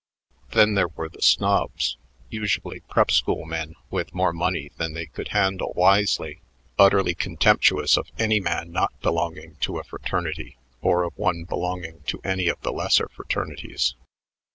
Then there were the snobs, usually prep school men with more money than they could handle wisely, utterly contemptuous of any man not belonging to a fraternity or of one belonging to any of the lesser fraternities.